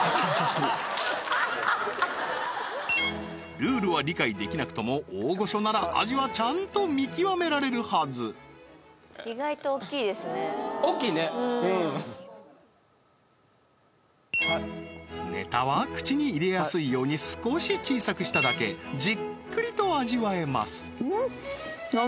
ルールは理解できなくとも大御所なら味はちゃんと見極められるはず大きいねうんネタは口に入れやすいように少し小さくしただけじっくりと味わえますん？